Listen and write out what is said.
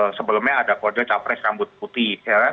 dan sebelumnya ada kode capres rambut putih ya kan